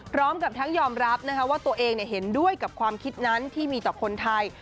พร้อมกับทั้งยอมรับว่าตัวเองเห็นด้วยกับความคิดนั้นที่มีต่อคนไทย